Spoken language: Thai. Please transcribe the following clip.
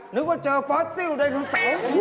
นึกว่าเจอฟอสซิลใดทุกสอง